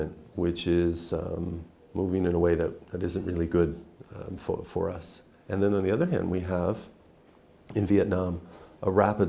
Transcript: nhưng sau đó tôi sẽ nói về một vấn đề